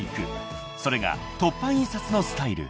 ［それが凸版印刷のスタイル］